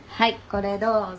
これどうぞ。